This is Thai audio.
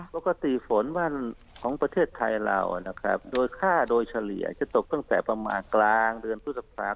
ปกติฝนมั่นของประเทศไทยเรานะครับโดยค่าโดยเฉลี่ยจะตกตั้งแต่ประมาณกลางเดือนพฤษภา